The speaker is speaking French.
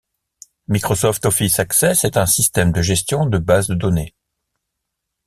Microsoft Office Access est un système de gestion de base de données.